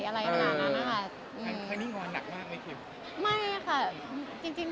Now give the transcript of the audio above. มีใครพึ่งรวมหนักมากมั้ยครับ